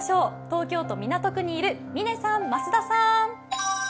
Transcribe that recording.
東京都港区にいる嶺さん、増田さん。